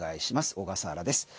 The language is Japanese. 小笠原です。